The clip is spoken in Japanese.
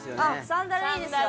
サンダルいいですよ。